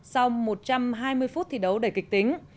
sau một trăm hai mươi phút thi đấu đầy kịch tính